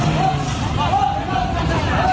เจ้าบ้านในระแวกนั้นเอิมระอาหมดแล้วล่ะครับ